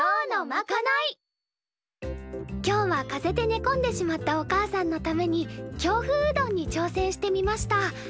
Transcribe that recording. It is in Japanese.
今日は風邪でねこんでしまったおかあさんのために京風うどんに挑戦してみました。